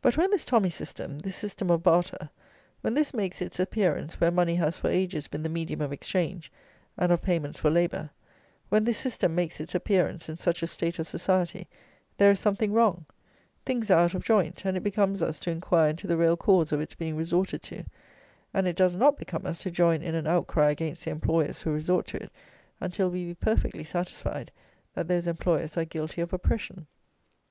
But when this tommy system; this system of barter; when this makes its appearance where money has for ages been the medium of exchange, and of payments for labour; when this system makes its appearance in such a state of society, there is something wrong; things are out of joint; and it becomes us to inquire into the real cause of its being resorted to; and it does not become us to join in an outcry against the employers who resort to it, until we be perfectly satisfied that those employers are guilty of oppression.